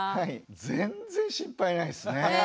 全然心配ないですね。